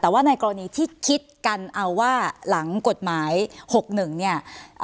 แต่ว่าในกรณีที่คิดกันเอาว่าหลังกฎหมาย๖๑เนี่ย